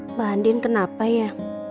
mbak andien kenapa ya